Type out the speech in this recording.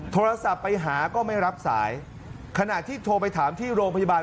โทรศัพท์ไปหาก็ไม่รับสายขณะที่โทรไปถามที่โรงพยาบาล